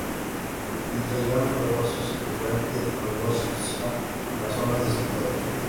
Mientras, llegaron refuerzos del Frente al-Nusra a las zonas disputadas.